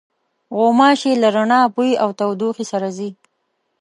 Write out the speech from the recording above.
غوماشې له رڼا، بوی او تودوخې سره ځي.